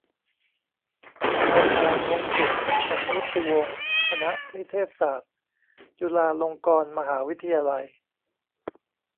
อาคารมงกุฏสมมติวงศ์ คณะนิเทศศาสตร์ จุฬาลงกรณ์มหาวิทยาลัย